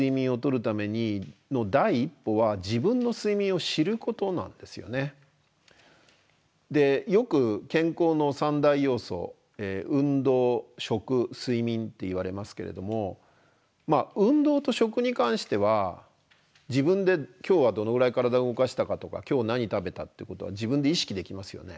で何よりもですねでよく健康の３大要素運動食睡眠っていわれますけれども運動と食に関しては自分で今日はどのぐらい体動かしたかとか今日何食べたってことは自分で意識できますよね。